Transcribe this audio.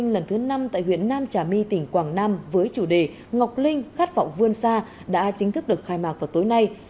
lễ hội sâm ngọc linh lần thứ năm tại huyện nam trà my tỉnh quảng nam với chủ đề ngọc linh khát vọng vươn xa đã chính thức được khai mạc vào tối nay